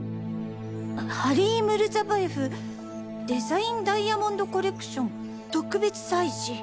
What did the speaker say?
ハリー・ムルザバエフデザインダイヤモンドコレクション特別催事。